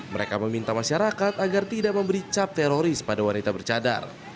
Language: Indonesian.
mereka meminta masyarakat agar tidak memberi cap teroris pada wanita bercadar